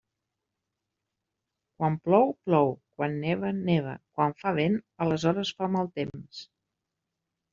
Quan plou, plou; quan neva, neva; quan fa vent, aleshores fa mal temps.